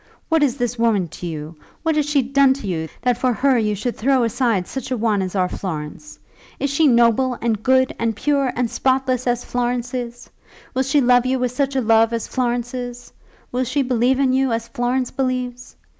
What is this woman to you? What has she done for you, that for her you should throw aside such a one as our Florence? Is she noble, and good, and pure and spotless as Florence is? Will she love you with such love as Florence's? Will she believe in you as Florence believes?